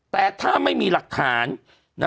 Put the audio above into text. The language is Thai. แต่ถ้าไม่มีหลักฐาน